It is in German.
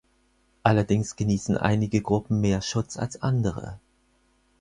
Allerdings genießen einige Gruppen mehr Schutz als andere.